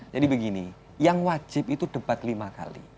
jadi begini yang wajib itu debat lima kali